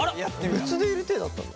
別でいる体だったんだ？